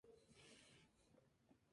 El medio está bastante bien conservado.